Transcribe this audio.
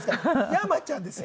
山ちゃんですよ。